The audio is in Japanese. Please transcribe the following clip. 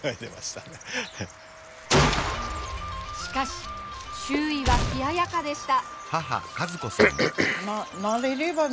しかし周囲は冷ややかでした。